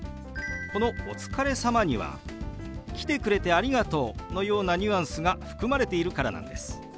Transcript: この「お疲れ様」には「来てくれてありがとう」のようなニュアンスが含まれているからなんです。